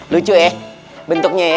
lucu ya bentuknya ya